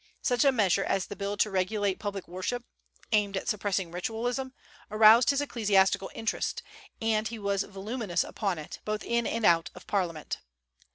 Such a measure as the bill to regulate public worship aimed at suppressing ritualism aroused his ecclesiastical interest, and he was voluminous upon it, both in and out of Parliament.